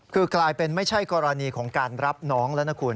คือกลายเป็นไม่ใช่กรณีของการรับน้องแล้วนะคุณ